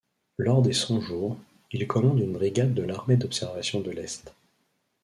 Lors des Cent-Jours, il commande une brigade de l'armée d'observation de l'Est.